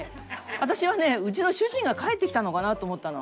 私はねうちの主人が帰ってきたのかなと思ったの。